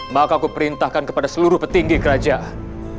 maka aku perintahkan kepada seluruh petinggi kerajaan